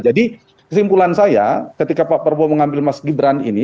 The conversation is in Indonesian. kesimpulan saya ketika pak prabowo mengambil mas gibran ini